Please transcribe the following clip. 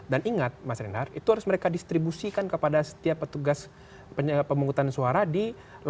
dan ingat mas rinar itu harus mereka distribusikan kepada setiap petugas pemungutan suara di delapan ratus sembilan puluh